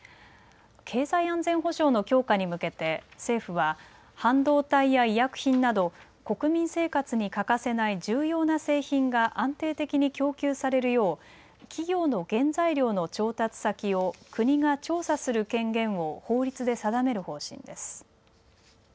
経済安全保障の強化に向けて政府は半導体や医薬品など国民生活に欠かせない重要な製品が安定的に供給されるよう企業の原材料の調達先を国が調査する権限を法律で定める方針です。